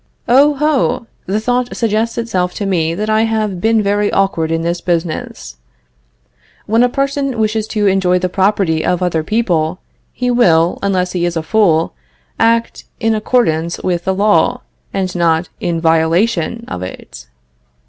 Oh! ho! the thought suggests itself to me that I have been very awkward in this business. When a person wishes to enjoy the property of other people, he will, unless he is a fool, act in accordance with the law, and not in violation of it.